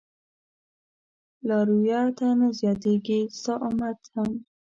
لارويه نه زياتېږي ستا امت هم